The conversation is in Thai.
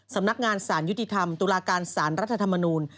สำนักงานสารยุติธรรมตุลาการสารรัฐธรรมนูล